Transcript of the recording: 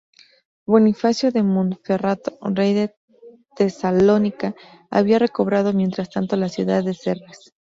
Bonifacio de Montferrato, rey de Tesalónica, había recobrado mientras tanto la ciudad de Serres.